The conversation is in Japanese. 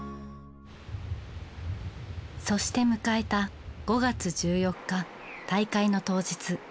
そして迎えた５月１４日大会の当日。